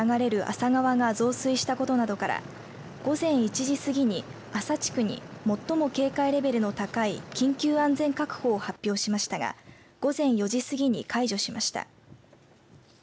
山陽小野田市では市内を流れる厚狭川が増水したことなどから午前１時過ぎに厚狭地区に最も警戒レベルの高い緊急安全確保を発表しましたが午前４時過ぎに解除しました。